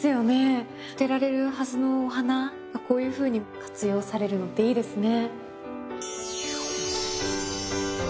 捨てられるはずのお花がこういうふうに活用されるのっていいですね。